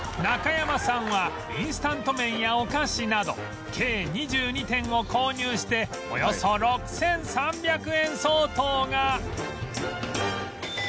中山さんはインスタント麺やお菓子など計２２点を購入しておよそ６３００円相当が